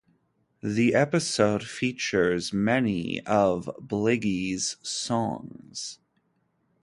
The episode features many of Blige's songs.